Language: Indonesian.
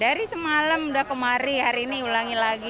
dari semalam udah kemari hari ini ulangi lagi